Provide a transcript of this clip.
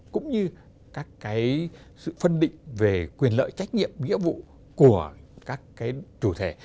cũng như các cái sự phân định về quyền lợi trách nhiệm nghĩa vụ của các cái chủ thể